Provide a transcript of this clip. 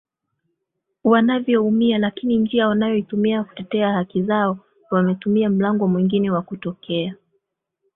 Wanavyoumia lakini njia waliyoitumia kutetea haki zao wametumia mlango mwingine wa kutokea